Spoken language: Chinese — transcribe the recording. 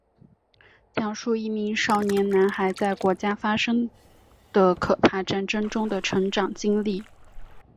讲述一名少年男孩在国家发生的可怕战争中的成长经历。